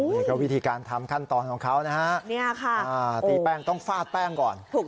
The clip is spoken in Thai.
นี่ก็วิธีการทำขั้นตอนของเขานะฮะตีแป้งต้องฟาดแป้งก่อน